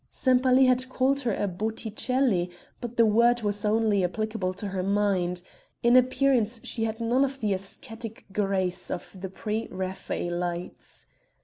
Sempaly had called her "a Botticelli," but the word was only applicable to her mind; in appearance she had none of the ascetic grace of the pre Raphaelites.